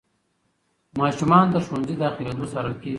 ماشومان تر ښوونځي داخلېدو څارل کېږي.